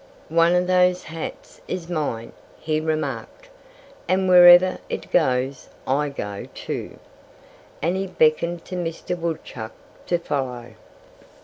"One of those hats is mine," he remarked. "And wherever it goes, I go, too," And he beckoned to Mr. Woodchuck to follow.